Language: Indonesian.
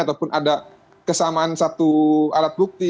ataupun ada kesamaan satu alat bukti